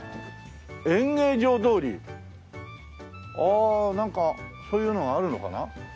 「演芸場通り」ああなんかそういうのがあるのかな？